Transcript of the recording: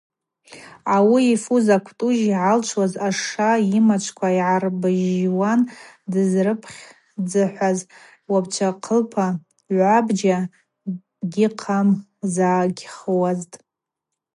Ауи йфуз аквтӏужь йгӏалчӏвуз ашша йымачвква йгӏарбыжьжжуан, дызрыпхдзыхӏваз, йуабчвахъылпа гӏвабджьа гьихъамзагъхуазтӏ.